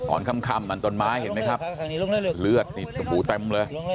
ออนคำกับต้นไม้เห็นมั้ยครับเลือดหูเต็มเลย